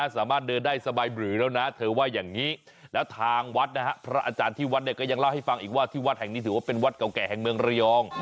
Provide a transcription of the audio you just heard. สามารถเดินได้สบายบรือแล้วนะเธอว่าอย่างนี้แล้วทางวัดนะฮะพระอาจารย์ที่วัดเนี่ยก็ยังเล่าให้ฟังอีกว่าที่วัดแห่งนี้ถือว่าเป็นวัดเก่าแก่แห่งเมืองระยอง